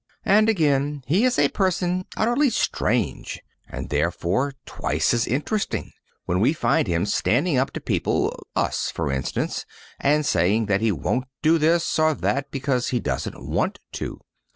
And again, he is a person utterly strange, and therefore twice as interesting, when we find him standing up to people, us for instance, and saying that he won't do this or that because he doesn't want to.